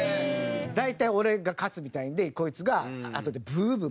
大体俺が勝つみたいなのでこいつがあとでブーブー